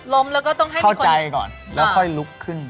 ล้มแล้วก็ต้องให้เข้าใจก่อนแล้วค่อยลุกขึ้น